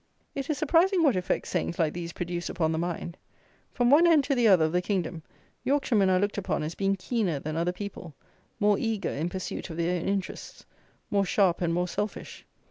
It is surprising what effect sayings like these produce upon the mind. From one end to the other of the kingdom, Yorkshiremen are looked upon as being keener than other people; more eager in pursuit of their own interests; more sharp and more selfish.